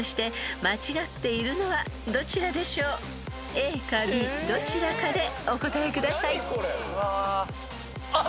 ［ＡかＢどちらかでお答えください］あっ！